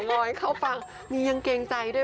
เต๋อง้อยเข้าฟังมียังเกรงใจด้วย